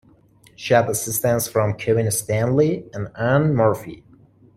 She had assistance from Kevin Standlee and Anne Murphy.